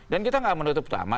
dan kita tidak menutup lama